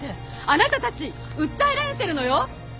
あなたたち訴えられてるのよ！？